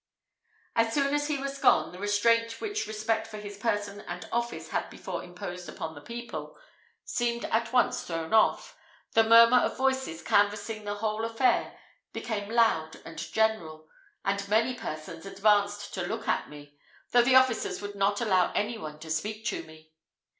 As soon as he was gone, the restraint which respect for his person and office had before imposed upon the people, seemed at once thrown off, the murmur of voices canvassing the whole affair became loud and general, and many persons advanced to look at me, though the officers would not allow any one to speak to me.